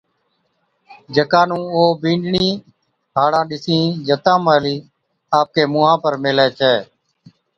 جڪا نُون او ٻِينڏڙِين ھاڙان ڏِسِين جتان مَھلِي آپڪي مُنھان پر ميلھي ڇَي